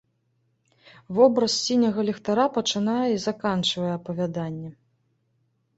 Вобраз сіняга ліхтара пачынае і заканчвае апавяданне.